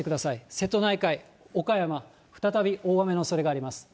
瀬戸内海、岡山、再び大雨のおそれがあります。